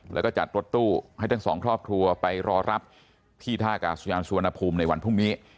แล้วก็จัดรถตู้ให้ทั้งสองครอบครัวไปรอรับที่ท่ากาศยานสุวรรณภูมิในวันพรุ่งนี้